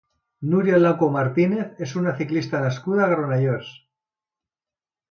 Núria Lauco Martínez és una ciclista nascuda a Granollers.